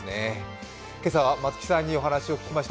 今朝は松木さんにお話を聞きました。